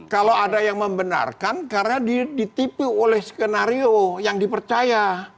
kalau ada yang membenarkan karena ditipu oleh skenario yang dipercaya